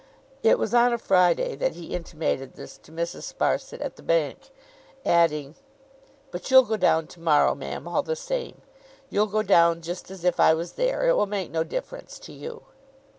It was on a Friday that he intimated this to Mrs. Sparsit at the Bank, adding: 'But you'll go down to morrow, ma'am, all the same. You'll go down just as if I was there. It will make no difference to you.